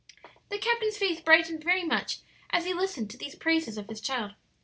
The captain's face brightened very much as he listened to these praises of his child.